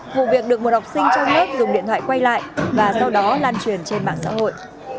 vụ việc được một học sinh cho biết dùng điện thoại quay lại và sau đó lan truyền trên mạng xã hội